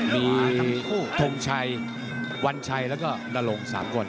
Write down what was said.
มีทงชัยวันชัยแล้วก็นรง๓คน